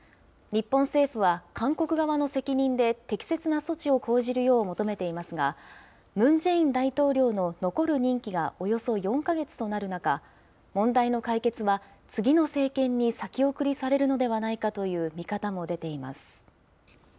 日本政府は韓国側の責任で適切な措置を講じるよう求めていますが、ムン・ジェイン大統領の残る任期がおよそ４か月となる中、問題の解決は次の政権に先送りされるのではないかという見方も出